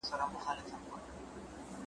ډوډۍ باید سمه پخه وي.